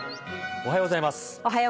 おはようございます。